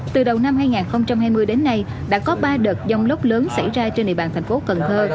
từ đầu năm hai nghìn hai mươi đến nay đã có ba đợt dông lốc lớn xảy ra trên địa bàn thành phố cần thơ